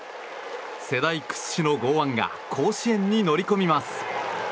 世代屈指の剛腕が甲子園に乗り込みます。